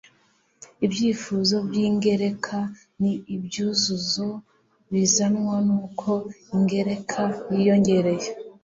ibyuzuzo by'ingereka ni ibyuzuzo bizanwa n'uko ingereka yiyongereye